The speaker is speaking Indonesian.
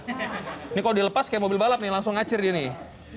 ini kalau dilepas kayak mobil balap nih langsung ngacir dia nih